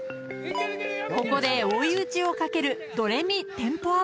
［ここで追い打ちをかけるドレミテンポアップ］